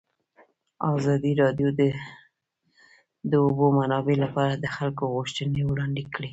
ازادي راډیو د د اوبو منابع لپاره د خلکو غوښتنې وړاندې کړي.